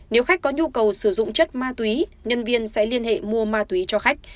nếu khách có nhu cầu sử dụng chất ma túy nhân viên sẽ liên hệ mua ma túy cho khách